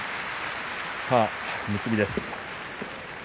さあ結びです。